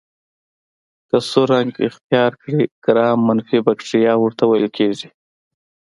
که سور رنګ اختیار کړي ګرام منفي بکټریا ورته ویل کیږي.